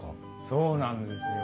そうなんですよ。